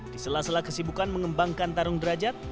di sela sela kesibukan mengembangkan tarung derajat